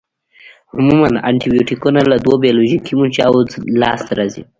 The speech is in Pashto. عموماً انټي بیوټیکونه له دوو بیولوژیکي منشأوو لاس ته راځي.